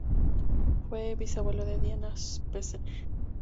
Fue bisabuelo de Diana Spencer.